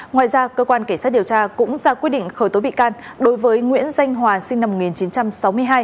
ngoài ra cơ quan cảnh sát điều tra cũng ra quyết định khởi tố bị can đối với nguyễn danh hòa sinh năm một nghìn chín trăm sáu mươi hai